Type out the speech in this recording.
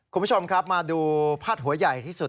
คุณผู้ชมครับมาดูพาดหัวใหญ่ที่สุด